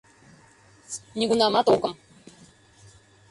— Нигунамат огым!